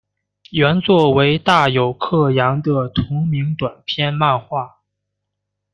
原作为大友克洋的同名短篇漫画。